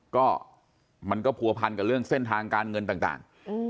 ก็มันก็ผัวพันกับเรื่องเส้นทางการเงินต่าง